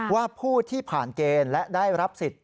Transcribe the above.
ว่าผู้ที่ผ่านเกณฑ์และได้รับสิทธิ